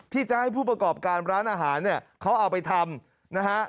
ที่จะให้ผู้ประกอบการร้านอาหารเขาเอาไปทำ